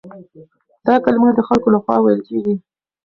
دا کلمه د خلکو له خوا ويل کېږي.